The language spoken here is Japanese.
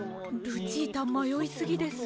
ルチータまよいすぎです。